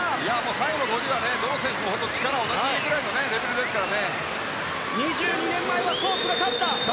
最後の５０ｍはどの選手も力は同じぐらいですから。